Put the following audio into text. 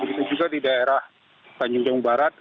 itu juga di daerah tanjung jambung barat